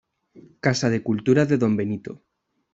Casa de Cultura de Don Benito.